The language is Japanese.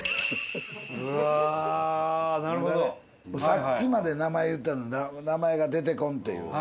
さっきまで名前言ってたのにな名前が出てこんっていう。